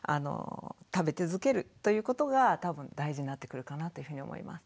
食べ続けるということが多分大事になってくるかなというふうに思います。